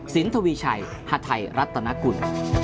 สินธวีชัยหัทัยรัฐนกุล